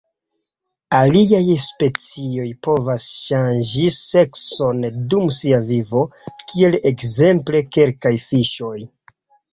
Aliaj specioj povas ŝanĝi sekson dum sia vivo, kiel ekzemple kelkaj fiŝoj.